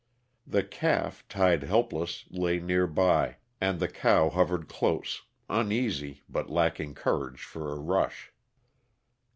The calf, tied helpless, lay near by, and the cow hovered close, uneasy, but lacking courage for a rush.